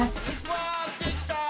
わあできた！